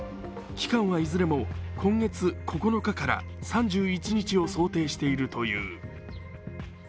期間はいずれも今月９日から３１日を想定しているという。